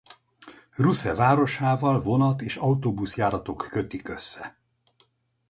Rusze városával vonat- és autóbuszjáratok kötik össze.